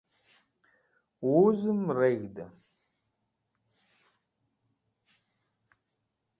Wuzẽm reg̃hdẽ